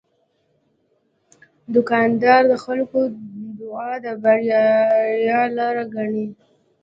دوکاندار د خلکو دعا د بریا لاره ګڼي.